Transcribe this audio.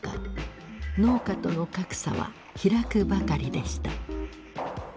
農家との格差は開くばかりでした。